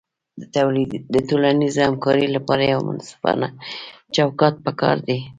د ټولنیزې همکارۍ لپاره یو منصفانه چوکاټ پکار دی.